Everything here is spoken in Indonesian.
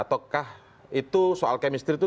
ataukah itu soal kemistri itu